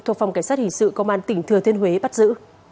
thuộc phòng cảnh sát hình sự công an tỉnh thừa thiên huế bắt giữ